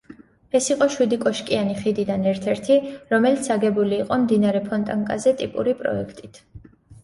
ეს იყო შვიდი კოშკიანი ხიდიდან ერთ-ერთი, რომელიც აგებული იყო მდინარე ფონტანკაზე ტიპური პროექტით.